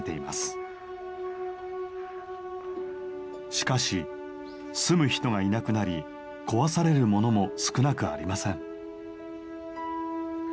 しかし住む人がいなくなり壊されるものも少なくありません。